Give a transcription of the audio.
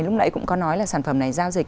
lúc nãy cũng có nói là sản phẩm này giao dịch